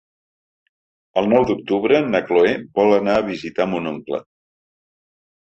El nou d'octubre na Cloè vol anar a visitar mon oncle.